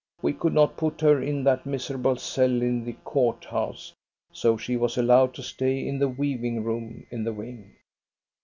We could not put her in that miserable cell in the court house, so she was allowed to stay in the weaving room in the wing.